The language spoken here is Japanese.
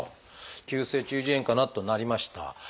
「急性中耳炎かな」となりました。